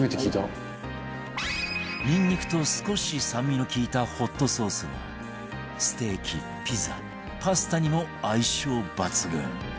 ニンニクと少し酸味の利いたホットソースがステーキピザパスタにも相性抜群